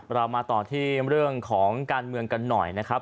เรามาต่อที่เรื่องของการเมืองกันหน่อยนะครับ